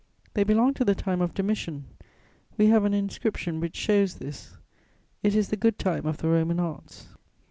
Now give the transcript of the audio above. They belong to the time of Domitian. We have an inscription which shows this: it is the good time of the Roman arts."